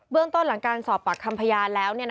เรื่องต้นหลังการสอบปากคำพยานแล้ว